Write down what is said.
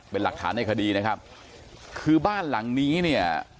เป็นหลักฐานในคดีนะครับคือบ้านหลังนี้เนี่ย